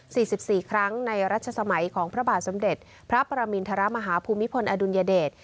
สี่สิบสี่ครั้งในรัชสมัยของพระบาทสมเด็จพระประมินทรมาฮภูมิพลอดุลยเดช